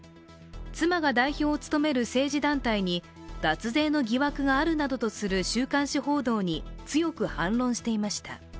妻が代表を務める政治団体に脱税の疑惑があるなどとする週刊誌報道に強く反論していました。